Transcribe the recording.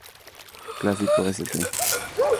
Clásico St.